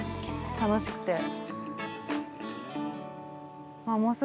楽しくて。